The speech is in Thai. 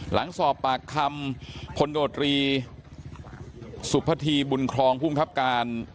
หลังสอบปากคำพลโดรีสุพธีบุญครองภูมิครับการ